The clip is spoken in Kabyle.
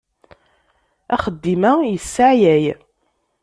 Axeddim-a yesseɛyay.